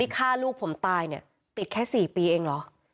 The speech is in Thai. ฆ่าลูกผมตายเนี่ยปิดแค่๔ปีเองเหรอ